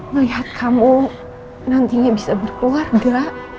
melihat kamu nantinya bisa berkeluarga